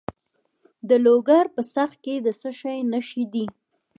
د لوګر په څرخ کې د څه شي نښې دي؟